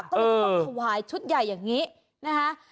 ก็เลยต้องขวายชุดใหญ่อย่างนี้